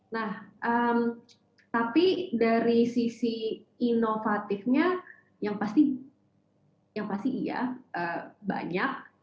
nah tapi dari sisi inovatifnya yang pasti yang pasti iya banyak